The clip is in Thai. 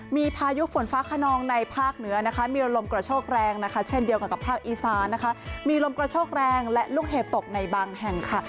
มีลมกระโชคแรงและลูกเห็บตกในบางแห่งค่ะ